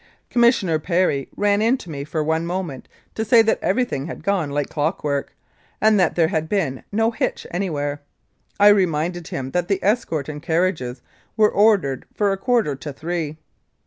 Commissioner Perry ran in to me for one moment to say that everything had gone like clock work, and that there had been no hitch anywhere. I reminded him that the escort and carriages were ordered for a quarter to three.